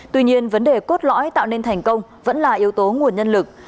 tuy nhiên vấn đề cốt lõi tạo nên thành công vẫn là yếu tố nguồn nhân lực